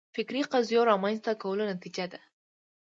فکري قضیو رامنځته کولو نتیجه ده